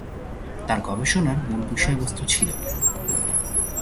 তার গবেষণার মুল বিষয়বস্তু ছিল।